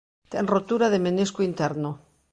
Ten rotura de menisco interno.